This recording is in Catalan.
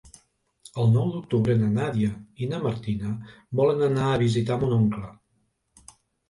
El nou d'octubre na Nàdia i na Martina volen anar a visitar mon oncle.